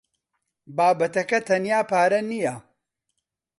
بابەتەکە تەنیا پارە نییە.